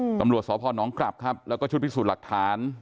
ตำรวจสพนกลับครับแล้วก็ชุดพิสูจน์หลักฐาน